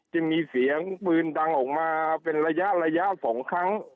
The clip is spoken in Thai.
จะมีเสียงปืนดังออกมาเป็นระยะระยะ๒ครั้ง